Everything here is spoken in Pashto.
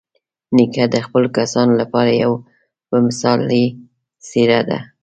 نیکه د خپلو کسانو لپاره یوه مثالي څېره ده.